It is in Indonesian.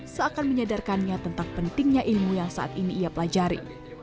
seakan menyadarkannya tentang pentingnya ilmu yang saat ini ia pelajari